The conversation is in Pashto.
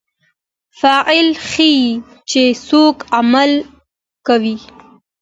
فاعل ښيي، چي څوک عمل کوي.